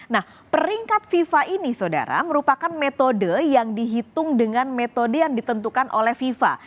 nah peringkat fifa ini sodara merupakan metode yang dihitung dengan metode yang ditentukan oleh fifa